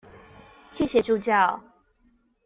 謝謝助教